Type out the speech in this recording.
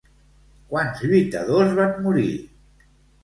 Quants lluitadors van morir?